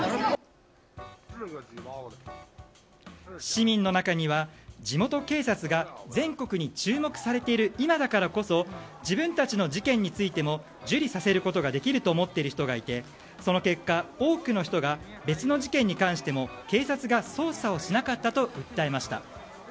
市民の中には地元警察が全国に注目されている今だからこそ自分たちの事件についても受理させることができると思っている人がいてその結果、多くの人が別の事件に関しても警察が捜査をしなかったと訴えました。